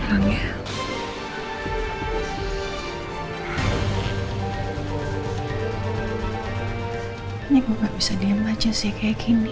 ini aku gak bisa diem aja sih kayak gini